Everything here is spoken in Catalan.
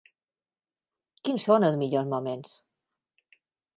Quins són els millors moments?